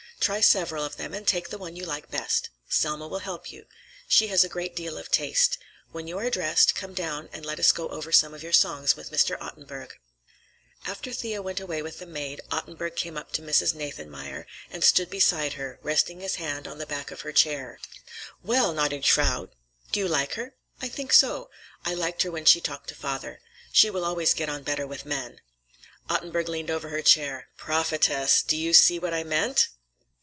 Try several of them, and take the one you like best. Selma will help you. She has a great deal of taste. When you are dressed, come down and let us go over some of your songs with Mr. Ottenburg." After Thea went away with the maid, Ottenburg came up to Mrs. Nathanmeyer and stood beside her, resting his hand on the high back of her chair. "Well, gnädige Frau, do you like her?" "I think so. I liked her when she talked to father. She will always get on better with men." Ottenburg leaned over her chair. "Prophetess! Do you see what I meant?"